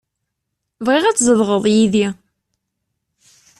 Bɣiɣ ad tzedɣeḍ yid-i.